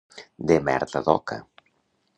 De merda d'oca.